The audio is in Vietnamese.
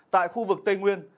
tại khu vực tây nguyên